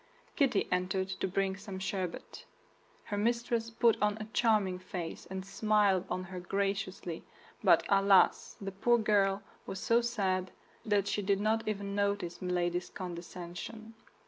Kitty entered to bring some sherbet. Her mistress put on a charming face, and smiled on her graciously; but alas! the poor girl was so sad that she did not even notice Milady's condescension.